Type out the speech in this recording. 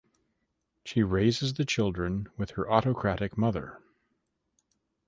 She raises the children with her autocratic mother.